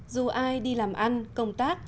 dù ai đi làm ăn công tác